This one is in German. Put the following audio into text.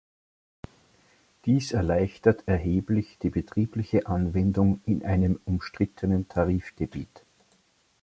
Dies erleichtert erheblich die betriebliche Anwendung in einem umstrittenen Tarifgebiet.